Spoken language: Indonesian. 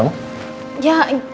aku udah mau tamu